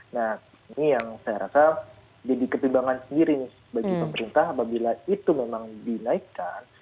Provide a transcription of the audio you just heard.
nah ini yang saya rasa jadi ketimbangan sendiri bagi pemerintah apabila itu memang dinaikkan